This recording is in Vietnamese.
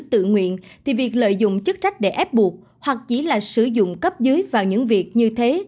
tự nguyện thì việc lợi dụng chức trách để ép buộc hoặc chỉ là sử dụng cấp dưới vào những việc như thế